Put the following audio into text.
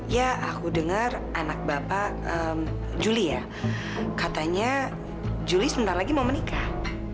ya aku dengar anak bapak juli ya katanya juli sebentar lagi mau menikah